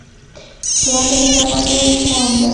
پلار د مهربانۍ اسمان دی.